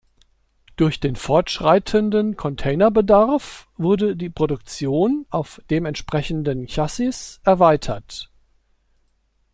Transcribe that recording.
Durch den fortschreitenden Container-Bedarf wurde die Produktion auf dementsprechenden Chassis erweitert.